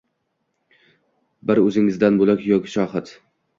Bir o’zingdan bo’lak yo’q shohid.